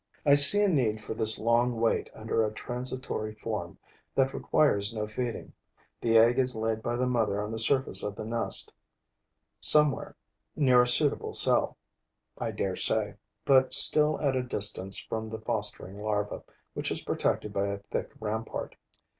I see a need for this long wait under a transitory form that requires no feeding. The egg is laid by the mother on the surface of the nest, somewhere near a suitable cell, I dare say, but still at a distance from the fostering larva, which is protected by a thick rampart.